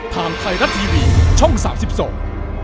ท่านไทยก็ทรีวีช่องสรรพสิบสอง